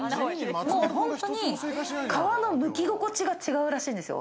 本当に皮のむき心地が違うらしいんですよ。